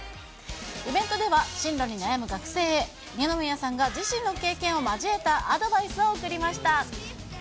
イベントでは進路に悩む学生へ、二宮さんが自身の経験を交えたアドバイスを送りました。